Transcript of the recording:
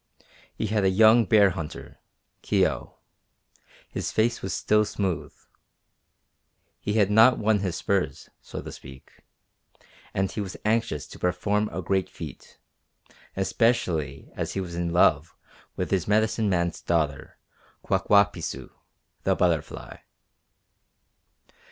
He had a young bear hunter, Kio, his face was still smooth. He had not won his spurs, so to speak, and he was anxious to perform a great feat, especially as he was in love with his medicine man's daughter Kwak wa pisew (the Butterfly).